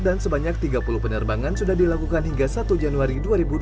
dan sebanyak tiga puluh penerbangan sudah dilakukan hingga satu januari dua ribu dua puluh tiga